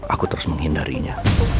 aku terus menghindarinya